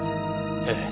ええ。